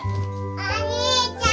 お兄ちゃん！